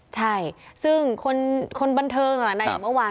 ใช่ซึ่งคนบันเทิงอย่างเมื่อวาน